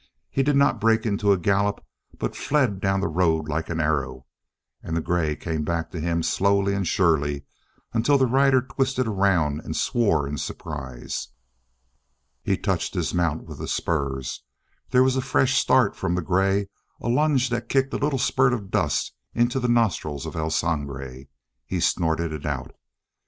He did not break into a gallop, but fled down the road like an arrow, and the gray came back to him slowly and surely until the rider twisted around and swore in surprise. He touched his mount with the spurs; there was a fresh start from the gray, a lunge that kicked a little spurt of dust into the nostrils of El Sangre. He snorted it out.